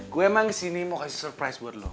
gue emang kesini mau kasih surprise buat lo